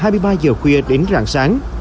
không giờ khuya đến rạng sáng